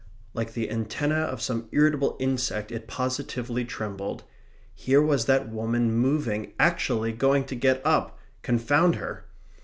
Like the antennae of some irritable insect it positively trembled. Here was that woman moving actually going to get up confound her!